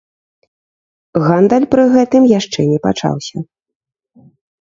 Гандаль пры гэтым яшчэ не пачаўся.